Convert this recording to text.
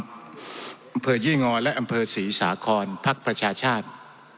อำเภอยี่งอและอำเภอศรีสาครพักประชาชาติ